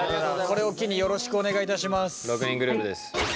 これを機によろしくお願いいたします。